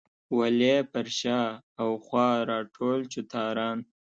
ولې پر شا او خوا راټول چوتاران.